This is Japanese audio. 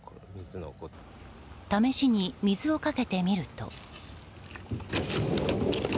試しに水をかけてみると。